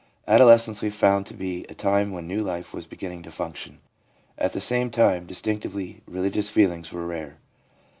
Adolescence we found to be a time when new life was beginning to function. At the same time distinctively religious feelings were rare.